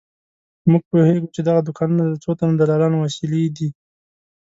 موږ پوهېږو چې دغه دوکانونه د څو تنو دلالانو وسیلې دي.